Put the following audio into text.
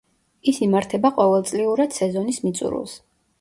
ის იმართება ყოველწლიურად სეზონის მიწურულს.